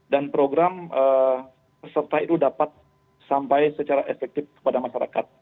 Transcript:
dan program peserta itu dapat sampai secara efektif kepada masyarakat